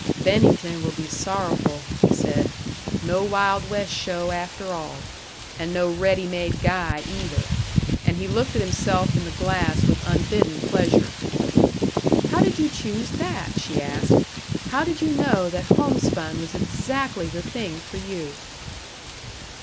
"Bennington will be sorrowful," he said. "No wild west show, after all. And no ready made guy, either." And he looked at himself in the glass with unbidden pleasure. "How did you choose that?" she asked. "How did you know that homespun was exactly the thing for you?"